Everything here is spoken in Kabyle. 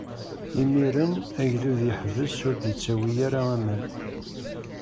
Imiren agdud iḥbes, ur d-ittawi ara aman.